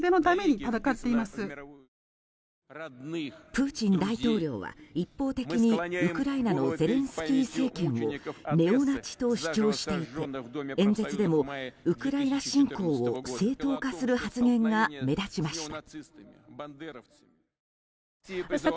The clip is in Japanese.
プーチン大統領は一方的にウクライナのゼレンスキー政権をネオナチと主張していて演説でもウクライナ侵攻を正当化する発言が目立ちました。